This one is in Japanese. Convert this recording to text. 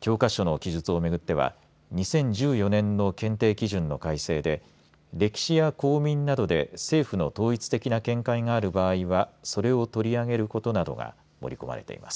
教科書の記述をめぐっては２０１４年の検定基準の改訂で歴史や公民などで政府の統一的な見解がある場合はそれを取り上げることなどが盛り込まれています。